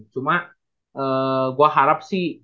cuma gua harap sih